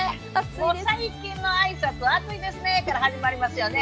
もう最近の挨拶は「暑いですね」から始まりますよね。